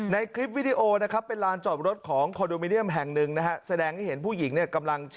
ในคลิปวีดีโอนะครับเป็นลานจอดรถของคอลโดมิเนี่ยมแห่งหนึ่ง